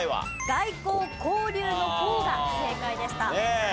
外交交流の「交」が正解でした。